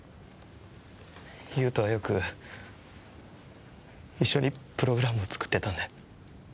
優とはよく一緒にプログラムを作ってたんで。